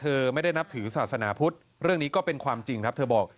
ไม่ได้นับถือศาสนาพุทธเรื่องนี้ก็เป็นความจริงครับเธอบอก